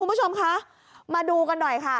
คุณผู้ชมคะมาดูกันหน่อยค่ะ